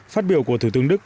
phát biểu của thủ tướng đức